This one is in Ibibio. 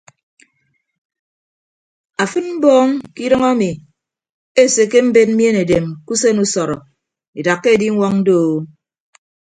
Afịd mbọọñ kidʌñ emi esekke embed mien edem ke usen usọrọ edakka ediñwọñ doo.